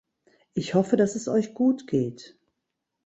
Ich hoffe, dass es euch gut geht.